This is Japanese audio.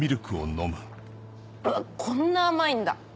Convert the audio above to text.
うわこんな甘いんだ。